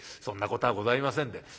そんなことはございませんで。